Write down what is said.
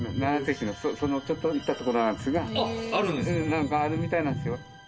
なんかあるみたいなんですよ。